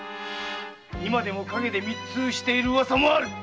今でも陰で密通している噂もある！